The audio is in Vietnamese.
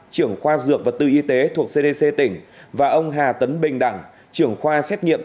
trưởng khoa dược vật tư y tế thuộc cdc tỉnh và ông hà tấn bình đẳng trưởng khoa xét nghiệm